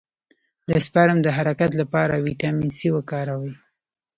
د سپرم د حرکت لپاره ویټامین سي وکاروئ